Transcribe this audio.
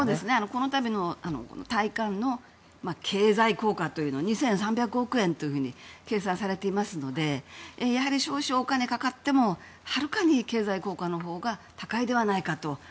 この度の戴冠の経済効果は２３００億円というように計算されていますのでやはり少々お金がかかってもはるかに経済効果のほうが高いではないかと。